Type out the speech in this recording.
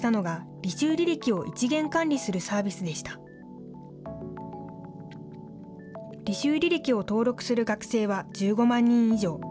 履修履歴を登録する学生は１５万人以上。